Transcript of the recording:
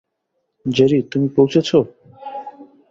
Jerry, তুমি পৌঁছেছ?